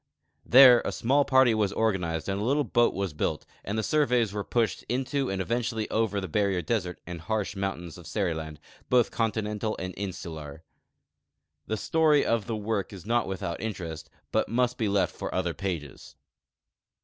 There a small party was organized and a little boat was built, and the surveys were jmshed into and eventually over the barrier desert and harsh mountains of Seriland, both continental and insular. The story of the work is not without interest, but must he left for other pages.